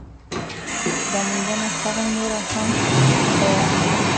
دا موندنه هغې نوره هم حیرانه کړه.